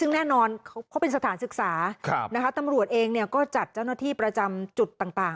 แน่นอนเขาเป็นสถานศึกษานะครับตำรวจเองเนี่ยก็จัดเจ้าหน้าที่ประจำจุดต่างต่าง